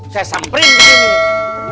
saya semprim ke sini